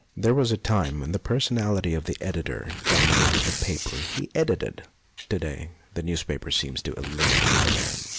There was a time when the personality of an editor dominated the paper he edited ; to day the newspaper seems to eliminate the man.